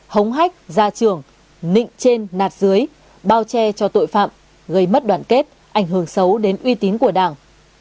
hống hách ra trường nịnh trên nạt dưới bao che cho tội phạm gây mất đoàn kết ảnh hưởng xấu đến uy tín của đảng